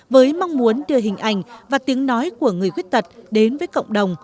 với mong muốn đưa hình ảnh và tiếng nói của người khuyết tật đến với cộng đồng